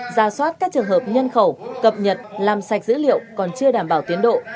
ra soát các trường hợp nhân khẩu cập nhật làm sạch dữ liệu còn chưa đảm bảo tiến độ